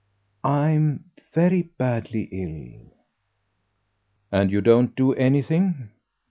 "I'm very badly ill." "And you don't do anything?"